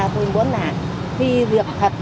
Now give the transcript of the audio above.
tôi muốn là thi việc thật